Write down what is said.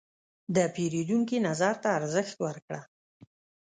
د پیرودونکي نظر ته ارزښت ورکړه.